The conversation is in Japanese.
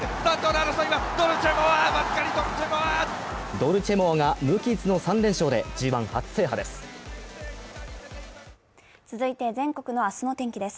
ドルチェモアが無傷の３連勝でＧⅠ初制覇です。